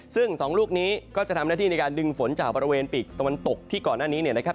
ซึ่ง๒ลูกนี้ก็จะทำหน้าที่ในการดึงฝนจากบริเวณปีกตะวันตกที่ก่อนหน้านี้เนี่ยนะครับ